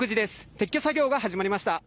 撤去作業が始まりました。